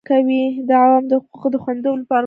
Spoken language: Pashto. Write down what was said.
د عوامو د حقوقو د خوندیتوب لپاره مبارزه وه.